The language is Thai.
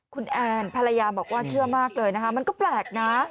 คุณแอนภรรยาบอกว่าเชื่อมากเลยนะคะมันก็แปลกนะ